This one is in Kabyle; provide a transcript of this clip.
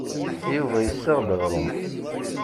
Yuba yessaɣ-d aɣrum.